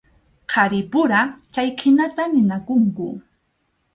Qharipura chayhinata ninakunku.